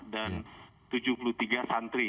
dan tujuh puluh tiga santri